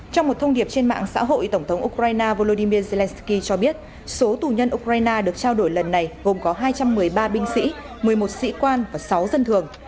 trong một thông điệp trên mạng xã hội tổng thống ukraine volodymyr zelenskyy cho biết số tù nhân ukraine được trao đổi lần này gồm có hai trăm một mươi ba binh sĩ một mươi một sĩ quan và sáu dân thường